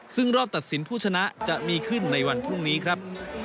ซึ่งรอบตัดสินผู้ชนะจะมีขึ้นในวันพรุ่งนี้ครับ